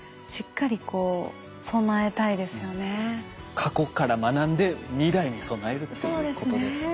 過去から学んで未来に備えるっていうことですね。